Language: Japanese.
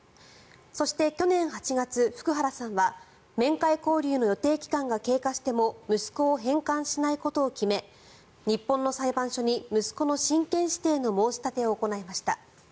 そして、去年８月、福原さんは面会交流の予定期間が経過しても息子を返還しないことを決め日本の裁判所に息子の親権指定の申し立てを行いました。